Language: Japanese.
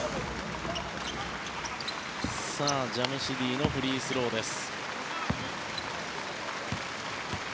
ジャムシディのフリースローです。